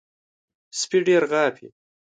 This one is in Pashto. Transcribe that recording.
سپي ډېر غاپي .